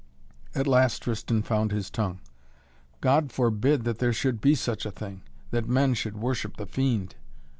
At last Tristan found his tongue. "God forbid that there should be such a thing, that men should worship the Fiend."